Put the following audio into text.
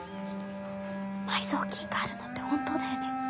埋蔵金があるのって本当だよね？